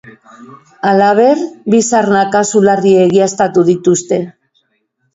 Halaber, bi sarna kasu larri egiaztatu dituzte.